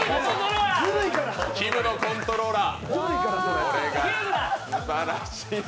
きむのコントローラー。